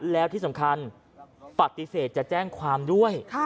แล้วที่สำคัญปฏิเสธจะแจ้งความด้วย